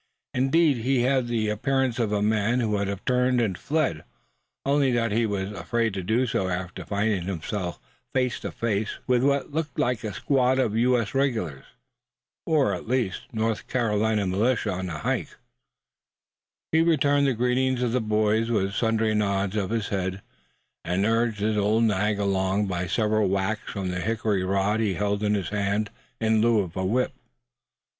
Indeed, he had the appearance of a man who would have turned and fled, only that he was afraid to do so after finding himself face to face with what looked like a squad of United States regulars, or at the least, North Carolina militia, on the hike. He returned the greetings of the boys with sundry nods of his head, and urged his old nag along by several whacks from the hickory rod he held in his hand in lieu of a whip.